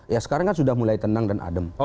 ya sekarang kan sudah mulai tenang dan adem